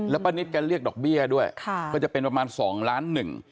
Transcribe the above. แล้วป้านิตกันเรียกดอกเบี้ยด้วยก็จะเป็นประมาณ๒ล้าน๑